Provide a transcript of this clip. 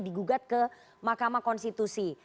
digugat ke makam konstitusi